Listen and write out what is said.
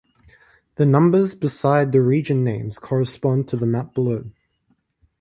The numbers beside the region names correspond to the map below.